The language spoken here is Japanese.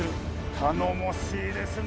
頼もしいですね。